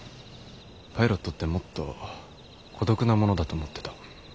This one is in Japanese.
パイロットってもっと孤独なものだと思ってた。